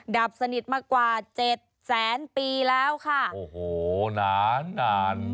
ดับสนิทมากว่าเจ็ดแสนปีแล้วค่ะโอ้โหหนานาน